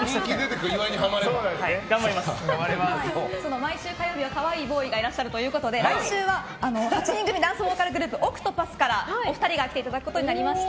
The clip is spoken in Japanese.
毎週火曜日は可愛いボーイがいらっしゃるということで来週は８人組ダンスボーカルグループＯＣＴＰＡＴＨからお二人が来ていただくことになりました。